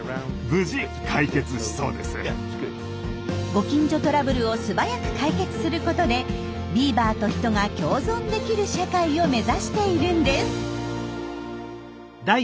ご近所トラブルを素早く解決することでビーバーと人が共存できる社会を目指しているんです。